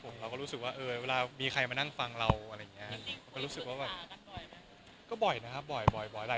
เราก็รู้สึกว่าเวลามีใครมานั่งฟังเรา